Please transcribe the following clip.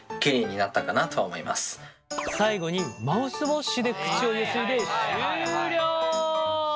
最後にマウスウォッシュで口をゆすいで終了。